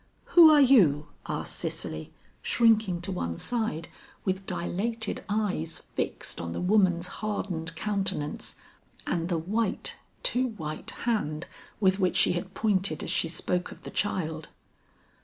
"Who are you?" asked Cicely, shrinking to one side with dilated eyes fixed on the woman's hardened countenance and the white, too white hand with which she had pointed as she spoke of the child.